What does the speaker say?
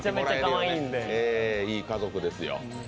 いい家族ですよ。